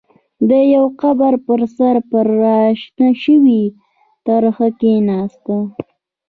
د يوه قبر پر سر پر را شنه شوې ترخه کېناسته.